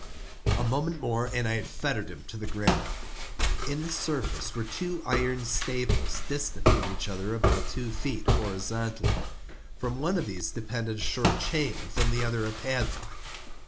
A moment more and I had fettered him to the granite. In its surface were two iron staples, distant from each other about two feet, horizontally. From one of these depended a short chain, from the other a padlock.